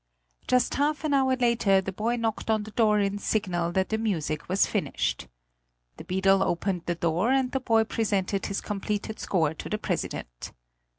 Just half an hour later the boy knocked on the door in signal that the music was finished. The beadle opened the door, and the boy presented his completed score to the president.